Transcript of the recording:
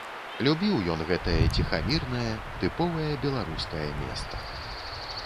Любіў ён гэтае ціхамірнае тыповае беларускае места.